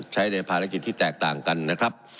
ใช้ในภารกิจที่แตกต่างกันนะครับ